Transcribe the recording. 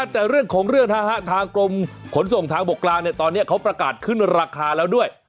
แต่เรื่องของเรื่องทางกรมขนส่งทางบกกลางตอนนี้เขาประกาศขึ้นราคาแล้วด้วย